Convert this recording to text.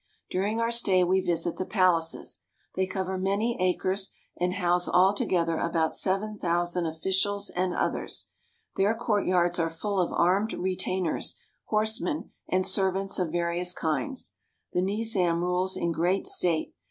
During our stay we visit the palaces. They cover many acres, and house all together about seven thousand officials and others. Their courtyards are full of armed retainers. THE VILLAGES OF INDIA 255 horsemen, and servants of various kinds. The Nizam rules in great state.